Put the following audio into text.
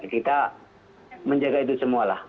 kita menjaga itu semualah